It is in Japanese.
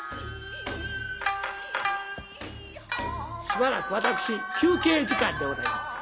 しばらく私休憩時間でございます。